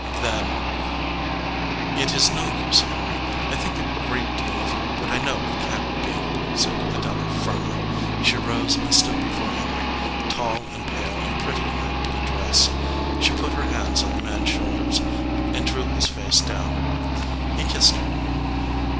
"Then ?" "It is no use, Henry. I think a great deal of you, but I know it can t be," said Adela, firmly. She rose and stood before Henry, tall and pale and pretty in her blue dress. She put her hands on the man s shoulders and drew his face down. He kissed her.